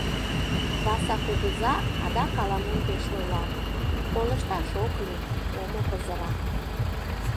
Васа кугыза адак ала-мом пеш ойла, колышташ ок лий, омо пызыра.